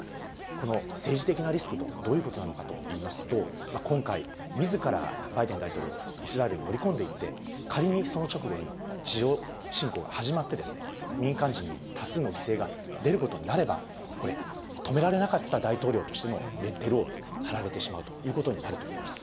この政治的なリスクと、どういうことなのかといいますと、今回、みずからバイデン大統領、イスラエルに乗り込んでいって、仮にその直後に地上侵攻が始まって、民間人に多数の犠牲が出ることになれば、これ、止められなかった大統領としてのレッテルを貼られてしまうということにもなると思います。